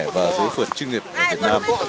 và giới phuật chuyên nghiệp việt nam